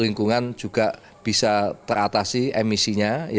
lingkungan juga bisa teratasi emisinya